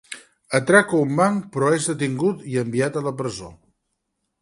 Atraca un banc però és detingut i enviat a la presó.